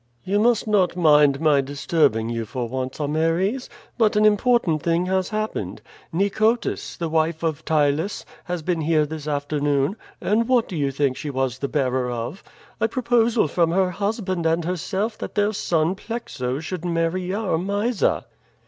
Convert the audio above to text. "You must not mind my disturbing you for once, Ameres; but an important thing has happened. Nicotis, the wife of Ptylus, has been here this afternoon, and what do you think she was the bearer of a proposal from her husband and herself that their son Plexo should marry our Mysa."